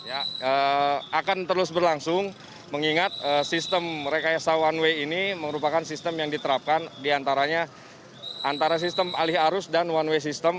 yang akan terus berlangsung mengingat sistem rekayasa one way ini merupakan sistem yang diterapkan diantaranya antara sistem alih arus dan one way system